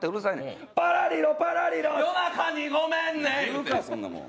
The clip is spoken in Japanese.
言うかそんなもん。